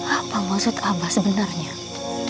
apa maksud abang sebenarnya